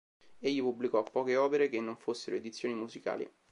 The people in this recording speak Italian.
Egli pubblicò poche opere che non fossero edizioni musicali.